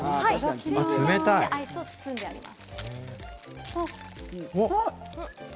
アイスを包んであります。